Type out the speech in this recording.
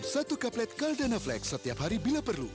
satu kaplet caldana flex setiap hari bila perlu